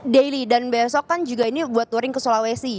daily dan besok kan juga ini buat touring ke sulawesi